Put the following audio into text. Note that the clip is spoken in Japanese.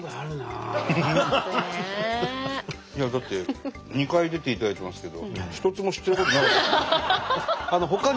いやだって２回出ていただいてますけど一つも知ってることなかったですよね。